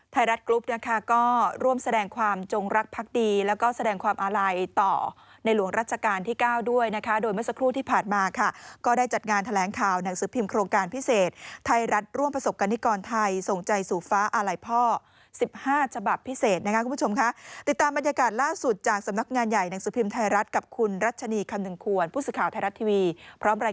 ไทยรัฐกรุ๊ปนะคะก็ร่วมแสดงความจงรักพักดีแล้วก็แสดงความอาลัยต่อในหลวงราชการที่เก้าด้วยนะคะโดยเมื่อสักครู่ที่ผ่านมาค่ะก็ได้จัดงานแถลงข่าวหนังสือพิมพ์โครงการพิเศษไทยรัฐร่วมประสบการณีกรไทยส่งใจสู่ฟ้าอาลัยพ่อสิบห้าจบับพิเศษนะครับคุณผู้ชมค่ะติดตามบรรยากาศล